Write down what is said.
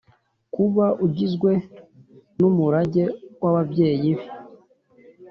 kuba ugizwe n'umurage w'ababyeyi be.